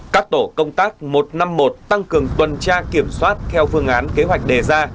các tổ công tác một trăm năm mươi một tăng cường tuần tra kiểm soát theo phương án kế hoạch đề ra